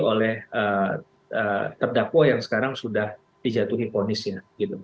oleh terdakwa yang sekarang sudah dijatuhi ponis ya